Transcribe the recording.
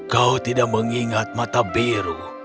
kau tidak mengingat mata biru